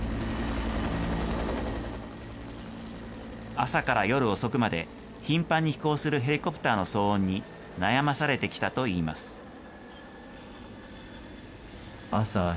朝から夜遅くまで、頻繁に飛行するヘリコプターの騒音に悩まされてきたといいます。